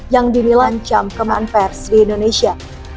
yang dimilang jam kemanvers di indonesia